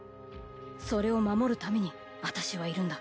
それを守るために私はいるんだ。